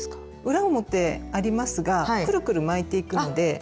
裏表ありますがくるくる巻いていくので。